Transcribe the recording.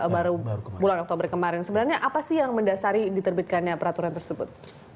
baru bulan oktober kemarin sebenarnya apa sih yang mendasari diterbitkannya peraturan tersebut